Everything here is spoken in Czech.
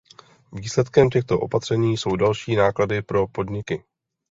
Výsledkem těchto opatření jsou další náklady pro podniky.